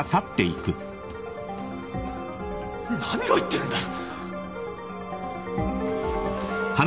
何を言ってるんだ。